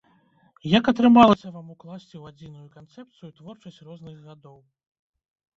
Як атрымалася вам укласці ў адзіную канцэпцыю творчасць розных гадоў?